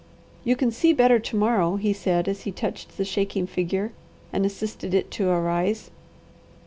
"You can see better to morrow," he said as he touched the shaking figure and assisted it to arise.